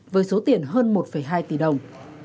với số tiền hơn một hai tỷ đồng